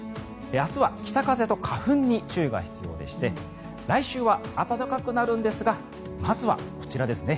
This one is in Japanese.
明日は北風と花粉に注意が必要でして来週は暖かくなるんですがまずは、こちらですね。